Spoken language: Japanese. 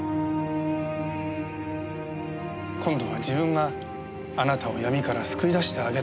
今度は自分があなたを闇から救い出してあげたいと思って。